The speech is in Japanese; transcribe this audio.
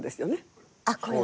あっこれは。